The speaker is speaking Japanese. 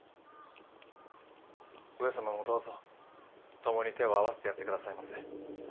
上様もどうぞ共に手を合わせてやって下さいませ。